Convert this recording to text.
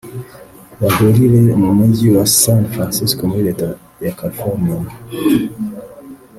bahurire mu Mujyi wa San Francisco muri Leta ya California